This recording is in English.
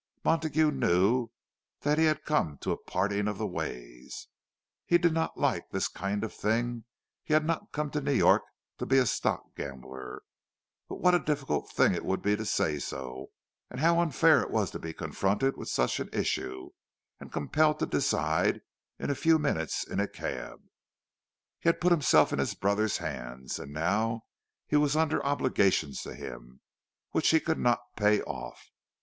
Montague knew that he had come to a parting of the ways. He did not like this kind of thing—he had not come to New York to be a stock gambler. But what a difficult thing it would be to say so; and how unfair it was to be confronted with such an issue, and compelled to decide in a few minutes in a cab! He had put himself in his brother's hands, and now he was under obligations to him, which he could not pay off.